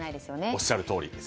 おっしゃるとおり。